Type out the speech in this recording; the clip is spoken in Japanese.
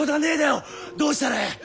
どうしたらええ？